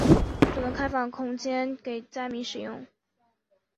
主动开放空间给灾民使用